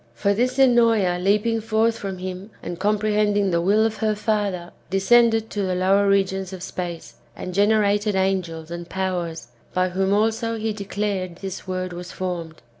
For this Ennoea leaping forth from him, and comprehending the will of her father, descended to the lower regions [of space], and gene rated angels and powers, by whom also he declared this world was formed.